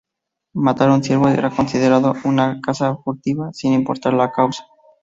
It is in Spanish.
Matar un ciervo era considerado una caza furtiva, sin importar la causa.